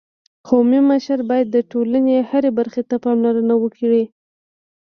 قومي مشر باید د ټولني هري برخي ته پاملرنه وکړي.